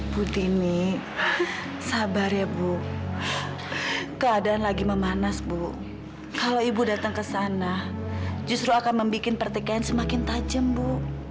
bu tini sabar ya bu keadaan lagi memanas bu kalau ibu datang ke sana justru akan membuat pertikaian semakin tajam bu